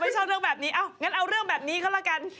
ชอบเรื่องแบบนี้เอางั้นเอาเรื่องแบบนี้ก็แล้วกัน